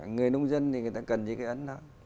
người nông dân thì người ta cần cái ấn đó